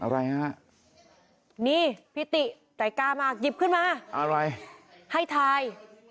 อะไรฮะนี่พี่ติใจกล้ามากหยิบขึ้นมาอะไรให้ทาย